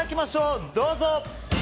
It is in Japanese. どうぞ。